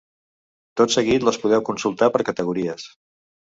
Tot seguit les podeu consultar per categories.